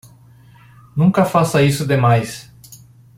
Nunca faça isso demais.